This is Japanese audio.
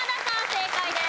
正解です。